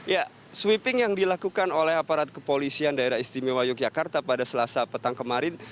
ya sweeping yang dilakukan oleh aparat kepolisian daerah istimewa yogyakarta pada selasa petang kemarin